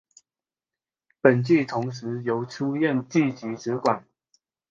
本剧同时由出任剧集主管。